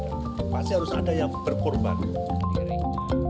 jika pemerintah mengaku pemerintah yang diwakili menteri dalam negara